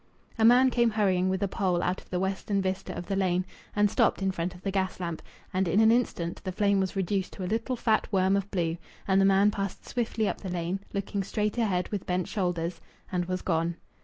A man came hurrying with a pole out of the western vista of the lane, and stopped in front of the gas lamp, and in an instant the flame was reduced to a little fat worm of blue, and the man passed swiftly up the lane, looking straight ahead with bent shoulders, and was gone.